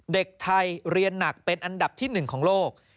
เด็กไทยเรียนหนักเป็นอันดับที่๑ของโลก